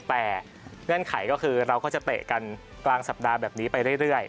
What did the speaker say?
แต่เงื่อนไขก็คือเราก็จะเตะกันกลางสัปดาห์แบบนี้ไปเรื่อย